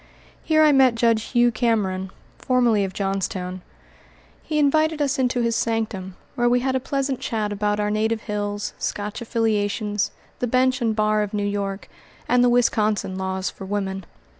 Here I met Judge Hugh Cameron, formerly of Johnstown. He invited us into his sanctum, where we had a pleasant chat about our native hills, Scotch affiliations, the bench and bar of New York, and the Wisconsin laws for women.